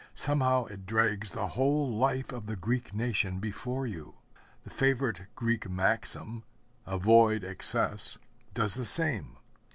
Somehow it drags the whole life of the Greek nation before you. The favorite Greek maxim, 'Avoid excess,' does the same.